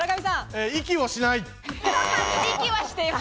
息をしない。